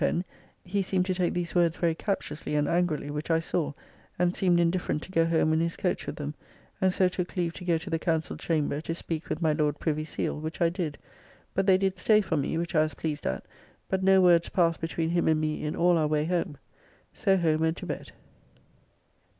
Pen, he seemed to take these words very captiously and angrily, which I saw, and seemed indifferent to go home in his coach with them, and so took leave to go to the Council Chamber to speak with my Lord Privy Seal, which I did, but they did stay for me, which I was pleased at, but no words passed between him and me in all our way home. So home and to bed.